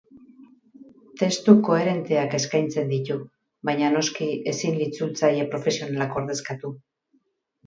Testu koherenteak eskaintzen ditu, baina noski ezin itzultzaile profesionalak ordezkatu.